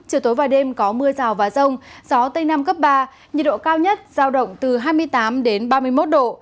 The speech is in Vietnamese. chiều tối và đêm có mưa rào và rông gió tây nam cấp ba nhiệt độ cao nhất giao động từ hai mươi tám ba mươi một độ